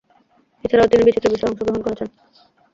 এছাড়াও তিনি বিচিত্র বিষয়ে অংশগ্রহণ করেছেন।